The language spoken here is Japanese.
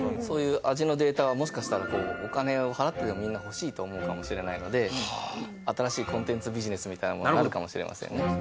そういう味のデータはもしかしたらこうお金を払ってでもみんな欲しいと思うかもしれないのでみたいなものになるかもしれませんね